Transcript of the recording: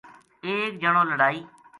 ایک جنو لڑائی